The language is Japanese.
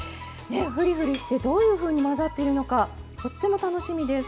ふりふりしてどういうふうに混ざっているのかとっても楽しみです。